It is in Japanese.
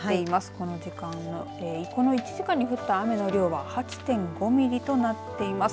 この時間のこの１時間に降った雨の量は８．５ミリとなっています。